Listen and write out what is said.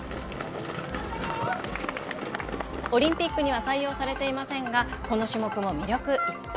オリンピックには採用されていませんが、この種目の魅力いっぱい。